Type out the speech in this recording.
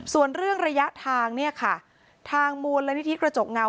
ส่วนเรื่องระยะทางทางมูลและนิธิกระจกเงา